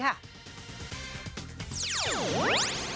กำลักษณ์เพศ